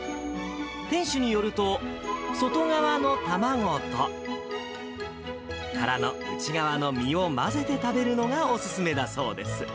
店主によると、外側の卵と、殻の内側の身を混ぜて食べるのがお勧めだそうです。